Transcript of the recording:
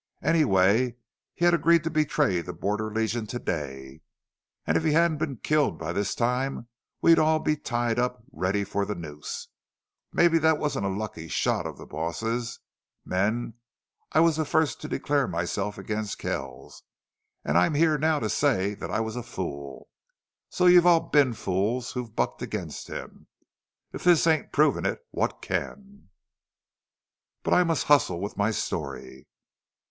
Anyway, he had agreed to betray the Border Legion to day. An' if he hadn't been killed by this time we'd all be tied up, ready for the noose!... Mebbe thet wasn't a lucky shot of the boss's. Men, I was the first to declare myself against Kells, an' I'm here now to say thet I was a fool. So you've all been fools who've bucked against him. If this ain't provin' it, what can! "But I must hustle with my story....